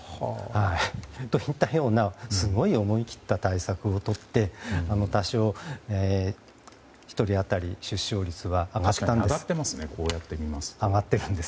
そういったようなすごく思い切った対策をもって多少、１人当たりの出生率は上がったんです。